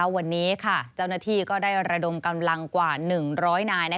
วันนี้เจ้าหน้าที่ก็ได้ระดมกำลังกว่า๑๐๐นาย